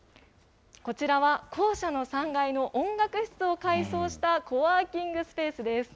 こちらは校舎の３階の音楽室を改装した、コワーキングスペースです。